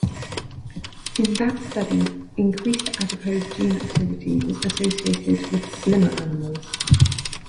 In that study, increased adipose gene activity was associated with slimmer animals.